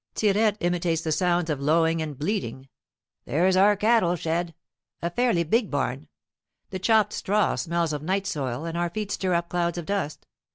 Tirette imitates the sounds of lowing and bleating "There's our cattle shed." A fairly big barn. The chopped straw smells of night soil, and our feet stir up clouds of dust.